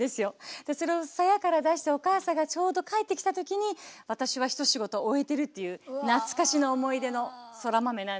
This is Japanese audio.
それをさやから出してお母さんがちょうど帰ってきた時に私は一仕事終えてるっていう懐かしの思い出のそら豆なんです。